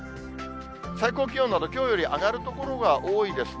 最高気温などきょうより上がる所が多いですね。